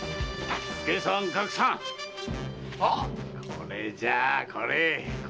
これじゃこれ！